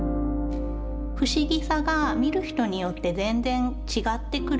不思議さが見る人によって全然違ってくる。